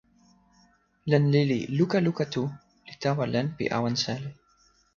len lili luka luka tu li tawa len pi awen seli.